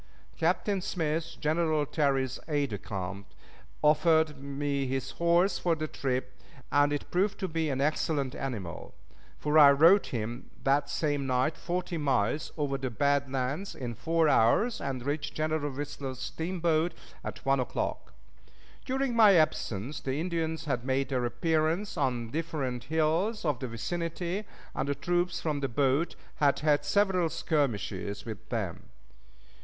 Captain Smith, General Terry's aid de camp, offered me his horse for the trip, and it proved to be an excellent animal; for I rode him that same night forty miles over the bad lands in four hours, and reached General Whistler's steamboat at one o'clock. During my absence the Indians had made their appearance on the different hills of the vicinity, and the troops from the boat had had several skirmishes with them.